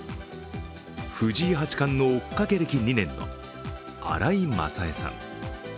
藤井八冠の追っかけ歴２年の新井雅恵さん。